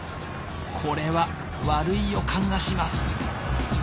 これは悪い予感がします。